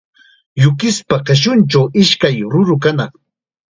Yukispa qishunchaw ishkay ruru kanaq.